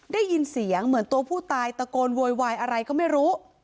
ได้ยินเสียงเหมือนตัวผู้ตายตะโกนโวยวายอะไรก็ไม่รู้